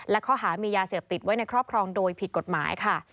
และข้อหามียาเสพติดไว้ในครอบครองโดยผิดกฎหมายค่ะ